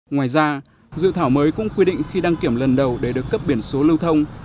ngoài ra dự thảo mới cũng quy định khi đăng kiểm lần đầu để được cấp biển số lưu thông